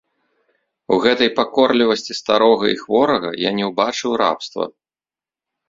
У гэтай пакорлівасці старога і хворага я не ўбачыў рабства.